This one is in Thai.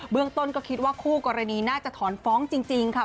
เรื่องต้นก็คิดว่าคู่กรณีน่าจะถอนฟ้องจริงค่ะ